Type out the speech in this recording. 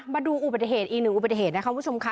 มาดูอุบัติเหตุอีกหนึ่งอุบัติเหตุนะคะคุณผู้ชมค่ะ